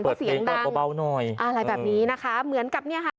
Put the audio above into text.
เพราะเสียงดังอะไรแบบนี้นะคะเหมือนกับนี่ค่ะ